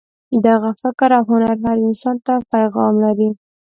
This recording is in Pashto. دغه فکر او هنر هر انسان ته پیغام لري.